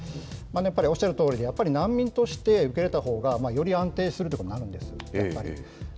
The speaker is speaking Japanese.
やっぱりおっしゃるとおりで、やっぱり難民として受け入れたほうがより安定するということもあるんですよ、やっぱり。